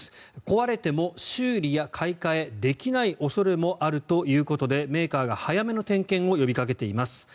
壊れても修理や買い替えできない恐れもあるということでメーカーが早めの点検を呼びかけています。